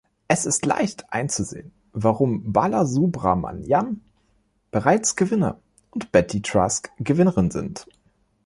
Es ist leicht einzusehen, warum Balasubramanyam bereits Gewinner und Betty Trask Gewinnerin sind.